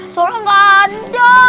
soalnya gak ada